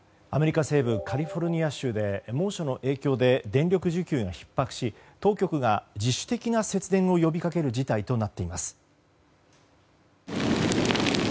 カリフォルニア州で猛暑の影響で電力需給がひっ迫し当局が自主的な節電を呼びかける事態となっています。